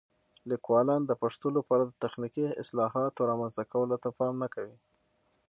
لیکوالان د پښتو لپاره د تخنیکي اصطلاحاتو رامنځته کولو ته پام نه کوي.